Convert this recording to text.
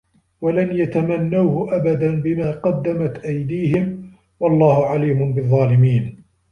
وَلَنْ يَتَمَنَّوْهُ أَبَدًا بِمَا قَدَّمَتْ أَيْدِيهِمْ ۗ وَاللَّهُ عَلِيمٌ بِالظَّالِمِينَ